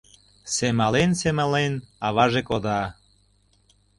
Семален-семален, аваже кода.